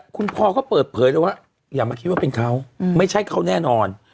คุณพอเขาเปิดเผยเลยว่าอย่ามาคิดว่าเป็นเขาไม่ใช่เขาแน่นอน